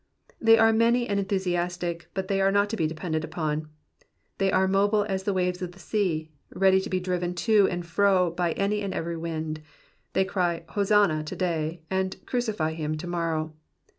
They are many and enthusiastic, but they are not to be depended on ; they are mobile as the waves of the sea, ready to be driven to and fro by any and every wind ; they cry *' Hosanna'' to day, and Crucify him'' to morrow.